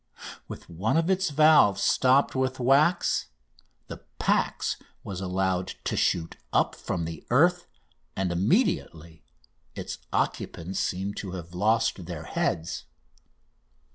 With one of its valves stopped with wax the "Pax" was allowed to shoot up from the earth, and immediately its occupants seem to have lost their heads.